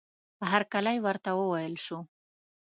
هرکلی ورته وویل شو.